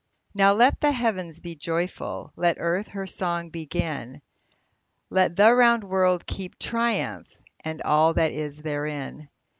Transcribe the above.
Now let the heavens be joyful, Let earth her song begin, Let the round world keep triumph, And all that is therein